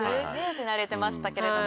手慣れてましたけれども。